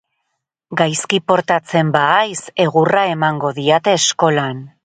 Gaizki portatzen bahaiz, egurra emango diate eskolan.